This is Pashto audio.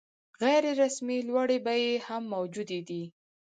غیر رسمي لوړې بیې هم موجودې دي.